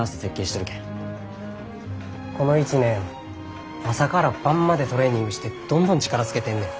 この一年朝から晩までトレーニングしてどんどん力つけてんねん。